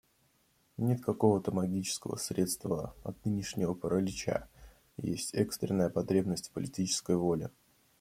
Нет какого-то магического средства от нынешнего паралича, есть экстренная потребность в политической воле.